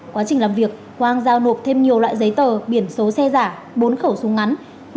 quá trình làm việc quang giao nộp thêm nhiều loại giấy tờ biển số xe giả bốn khẩu súng ngắn